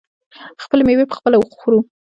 خپلې میوې پخپله خورو.